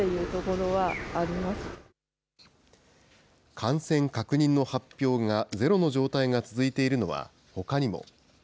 感染確認の発表がゼロの状態が続いているのはほかにも。